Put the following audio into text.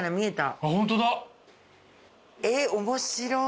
えっ面白い。